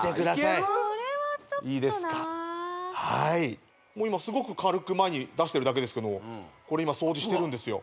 いいですかはい今スゴく軽く前に出してるだけですけどこれ今掃除してるんですよ